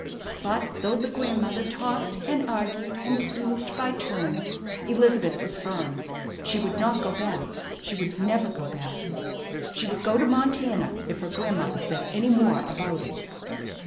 But, though the grandmother talked and argued and soothed by turns, Elizabeth was firm. She would not go back. She would never go back. She would go to Montana if her grandmother said any more about it.